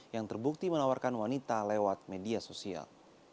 yang terbukti menawarkan wanita lewat media sosial